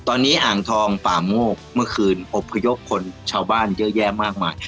ตอนนี้อ่างทองป่าโมกเมื่อคืนอบพยพคนชาวบ้านเยอะแยะมากมาย